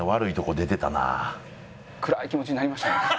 暗い気持ちになりましたよね。